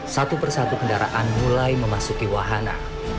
satu persatu kendaraan mulai memasuki wahana